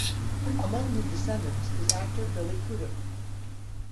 Among his descendants is actor Billy Crudup.